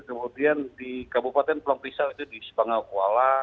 kemudian di kabupaten plongkrisal itu di sepangau kuala